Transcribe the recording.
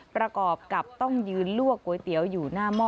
ประกอบกับต้องยืนลวกก๋วยเตี๋ยวอยู่หน้าหม้อ